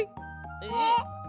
えっ？